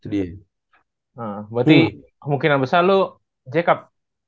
berarti kemungkinan besar lu jacob